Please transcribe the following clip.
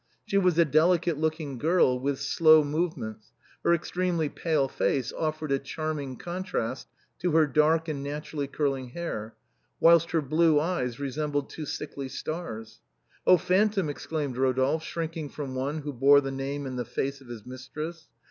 She was a delicate looking girl, with slow move ments ; her extremely pale face offered a charming contrast to her dark and naturally curling hair, whilst her blue eyes resembled two sickly stars. *' Oh ! phantom," exclaimed Eodolphe, shrinking from one who bore the name and the face of his mistress.